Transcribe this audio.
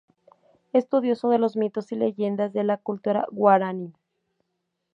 Estudioso de los mitos y leyendas de la cultura guaraní.